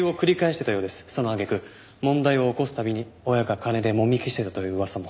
その揚げ句問題を起こす度に親が金でもみ消してたという噂も。